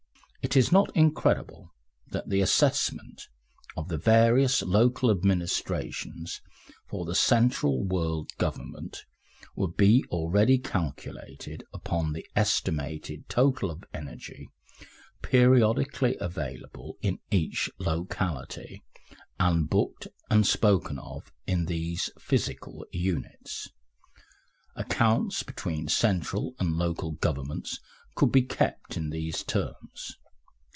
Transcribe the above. It is not incredible that the assessment of the various local administrations for the central world government would be already calculated upon the estimated total of energy, periodically available in each locality, and booked and spoken of in these physical units. Accounts between central and local governments could be kept in these terms.